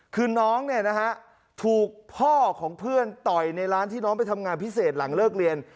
คือน้องเนี่ยนะฮะถูกพ่อของเพื่อนต่อยในร้านที่น้องไปทำงานพิเศษหลังเลิกเรียน